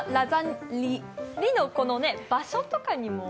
「り」の場所とかにも。